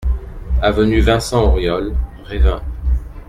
Avenue Vincent Auriol, Revin